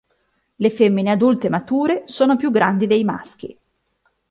Le femmine adulte mature sono più grandi dei maschi.